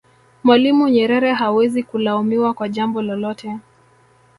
mwalimu nyerere hawezi kulaumiwa kwa jambo lolote